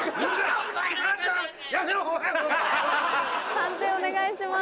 判定お願いします。